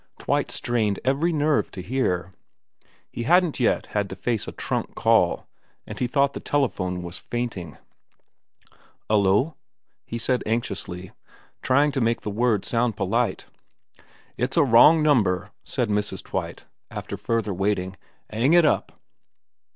Twite strained every nerve to hear. He hadn't yet had to face a trunk call, and he thought the telephone was fainting. 301 VERA xxvn ' 'Ullo ?' he said anxiously, trying to make the word sound polite. ' It's a wrong number,' said Mrs. Twite, after further waiting. ' 'Aiig it up.'